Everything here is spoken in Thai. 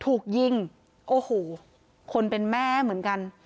ถูกยิงโอ้โหคนเป็นแม่เหมือนกัน